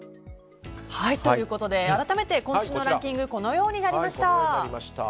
改めて、今週のランキングはこのようになりました。